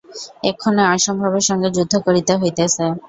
এক্ষণে অসম্ভবের সঙ্গে যুদ্ধ করিতে হইতেছে।